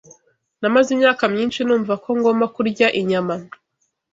Namaze imyaka myinshi numva ko ngomba kurya inyama